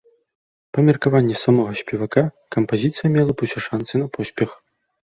Па меркаванні самога спевака, кампазіцыя мела б усе шанцы на поспех.